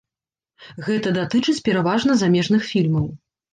Гэта датычыць пераважна замежных фільмаў.